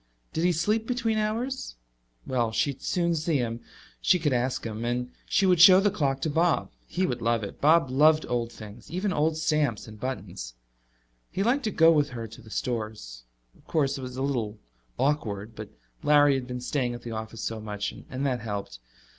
Did he sleep between hours? Well, she would soon see him: she could ask him. And she would show the clock to Bob. He would love it; Bob loved old things, even old stamps and buttons. He liked to go with her to the stores. Of course, it was a little awkward, but Larry had been staying at the office so much, and that helped.